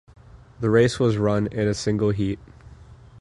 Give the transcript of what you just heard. The race was run in a single heat.